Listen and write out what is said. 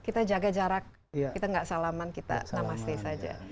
kita jaga jarak kita tidak salaman kita namaste saja